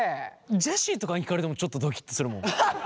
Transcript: ジェシーとかに聞かれてもちょっとドキッとするもん。